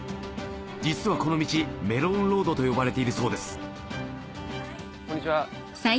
実はこの道メロンロードと呼ばれているそうですこんにちは。